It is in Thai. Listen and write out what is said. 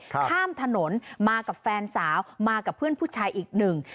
ข้ามถนนมากับแฟนสาวมากับเพื่อนผู้ชายอีกหนึ่ง